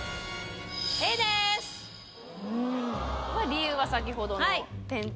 理由は先ほどの点々と。